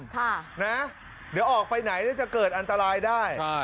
ค่ะนะเดี๋ยวออกไปไหนแล้วจะเกิดอันตรายได้